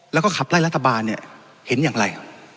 แล้วก็ขับไล่รัฐบาลเนี่ยเห็นอย่างไร